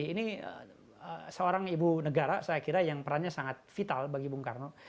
ini seorang ibu negara saya kira yang perannya sangat vital bagi bung karno